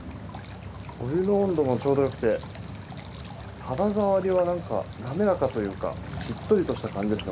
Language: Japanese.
お湯の温度もちょうどよくて肌触りはなんかなめらかというかしっとりとした感じですね